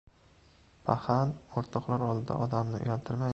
— Paxan! O‘rtoqlar oldida odamni uyaltirmang!